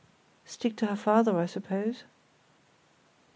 "Stick to her father, I suppose."